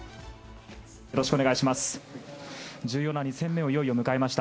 よろしくお願いします。